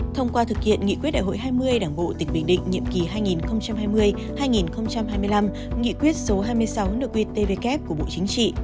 thông qua thực hiện nghị quyết đại hội hai mươi đảng bộ tỉnh bình định nhiệm kỳ hai nghìn hai mươi hai nghìn hai mươi năm nghị quyết số hai mươi sáu nội quy tvk của bộ chính trị